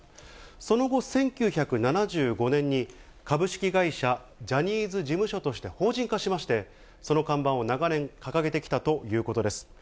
その後、１９７５年に、株式会社ジャニーズ事務所として法人化しまして、その看板を長年、掲げてきたということです。